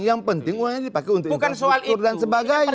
yang penting uangnya dipakai untuk infrastruktur dan sebagainya